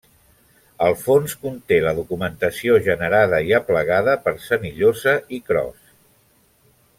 El fons conté la documentació generada i aplegada per Senillosa i Cros.